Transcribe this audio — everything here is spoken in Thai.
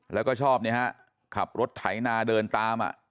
แล้วก็ชอบขับรถไถนะเดินตามอะ